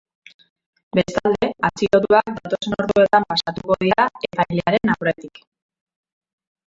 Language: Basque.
Bestalde, atxilotuak datozen orduetan pasatuko dira epailearen aurretik.